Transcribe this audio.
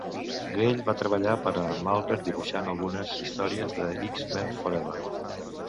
Grell va treballar per a Marvel dibuixant algunes històries d'"X-Men Forever".